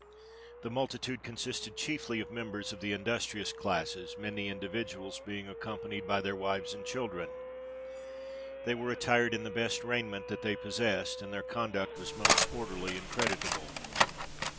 The multitude consisted chiefly of members of the industrious classes, many individuals being accompanied by their wives and children. They were attired in the best raiment that they possessed; and their conduct was most orderly and creditable.